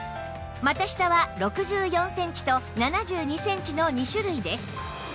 股下は６４センチと７２センチの２種類です